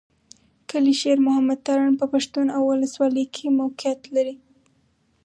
کلي شېر محمد تارڼ په پښتون اولسوالۍ کښې موقعيت لري.